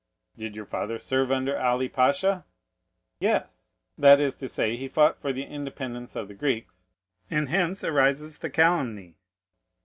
"Did your father serve under Ali Pasha?" "Yes; that is to say, he fought for the independence of the Greeks, and hence arises the calumny."